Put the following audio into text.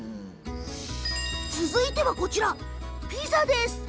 続いてはこちら、ピザです。